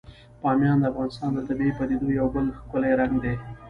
بامیان د افغانستان د طبیعي پدیدو یو بل ښکلی رنګ دی.